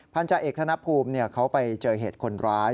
จาเอกธนภูมิเขาไปเจอเหตุคนร้าย